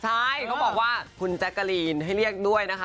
ใช่เขาบอกว่าคุณแจ๊กกะลีนให้เรียกด้วยนะคะ